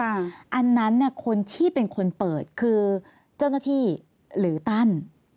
อันนั้นเนี่ยคนที่เป็นคนเปิดคือเจ้าหน้าที่หรือตั้น